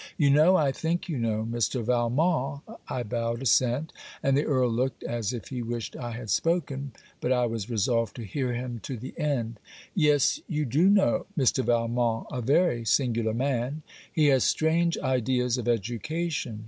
'You know, I think you know, Mr. Valmont.' I bowed assent; and the Earl looked as if he wished I had spoken; but I was resolved to hear him to the end. 'Yes, you do know, Mr. Valmont: a very singular man. He has strange ideas of education.